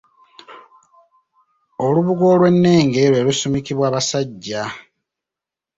Olubugo olwennenge lwe lusumikibwa basajja.